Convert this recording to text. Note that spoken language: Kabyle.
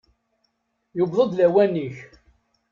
Yewweḍ-d lawan-ik!